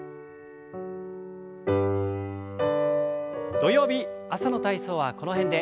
土曜日朝の体操はこの辺で。